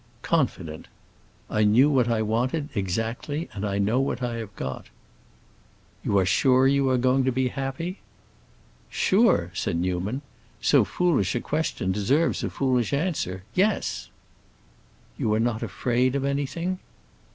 "Confident. I knew what I wanted, exactly, and I know what I have got." "You are sure you are going to be happy?" "Sure?" said Newman. "So foolish a question deserves a foolish answer. Yes!" "You are not afraid of anything?"